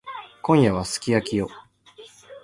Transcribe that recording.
今夜はすき焼きよ。